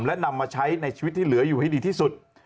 และนำมาใช้ในชีวิตที่เหลืออยู่ให้ดีที่สุด